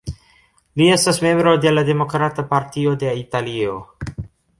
Li estas membro de la Demokrata Partio de Italio.